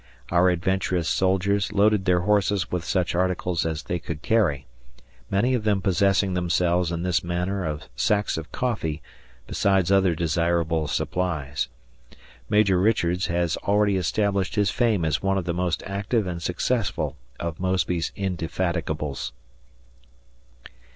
Our adventurous soldiers loaded their horses with such articles as they could carry; many of them possessing themselves in this manner of sacks of coffee, besides other desirable supplies. Major Richards has already established his fame as one of the most active and successful of Mosby's indefatigables.